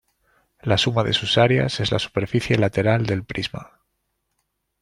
La suma de sus áreas es la superficie lateral del prisma.